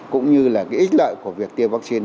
cũng như là cái ích lợi của việc tiêm vaccine